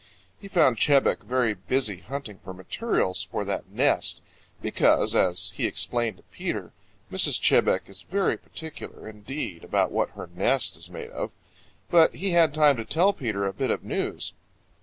He found Chebec very busy hunting for materials for that nest, because, as he explained to Peter, Mrs. Chebec is very particular indeed about what her nest is made of. But he had time to tell Peter a bit of news.